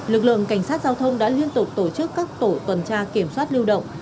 lực lượng cảnh sát giao thông đã liên tục tổ chức các tổ tuần tra kiểm soát lưu động